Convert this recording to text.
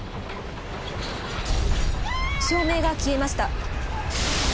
照明が消えました。